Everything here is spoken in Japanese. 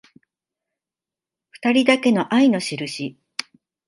ふたりだけの愛のしるし